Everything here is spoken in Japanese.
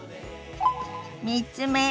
３つ目。